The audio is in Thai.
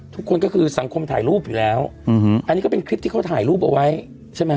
ทุกคนก็คือสังคมถ่ายรูปอยู่แล้วอืมอันนี้ก็เป็นคลิปที่เขาถ่ายรูปเอาไว้ใช่ไหมฮ